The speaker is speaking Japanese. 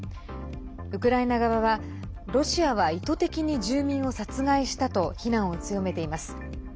ウクライナ側はロシアは意図的に住民を殺害したと非難を強めています。